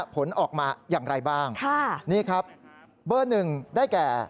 ผลออกมาอย่างไรบ้างนี่ครับบ้า๑ได้แก่